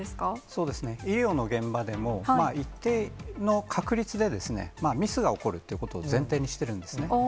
そうですね、医療の現場でも、一定の確率でミスが起こるということを前提にしてるんですね。